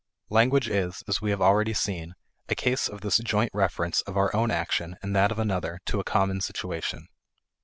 Language is, as we have already seen (ante, p. 15) a case of this joint reference of our own action and that of another to a common situation.